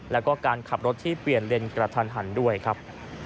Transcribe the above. แล้วก็การขับรถที่เปลี่ยนเลนกระทันหันด้วยครับ